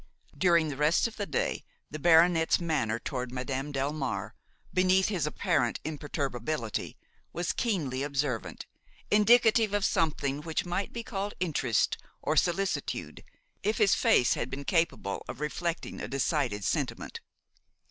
During the rest of the day the baronet's manner toward Madame Delmare, beneath his apparent imperturbability, was keenly observant, indicative of something which might be called interest or solicitude if his face had been capable of reflecting a decided sentiment.